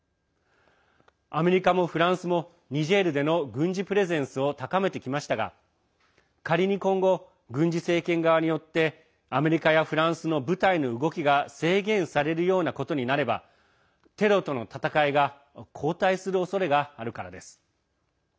アメリカもフランスもニジェールでの軍事プレゼンスを高めてきましたが仮に今後、軍事政権側によってアメリカやフランスの部隊の動きが制限されるようなことになればテロとの戦いが後退するおそれがあるからです。